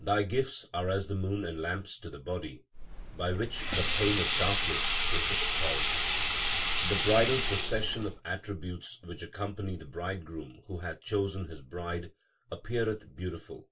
LIFE OF GURU NANAK 99 Thy gifts are as the moon and lamps to the body, by which the pain of darkness is dispelled. The bridal procession of attributes which accompany the Bridegroom who hath chosen His bride, appeareth beautiful.